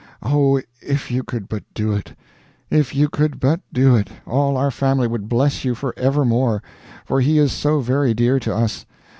"Oh, if you could but do it! If you could but do it, all our family would bless you for evermore for he is so very dear to us.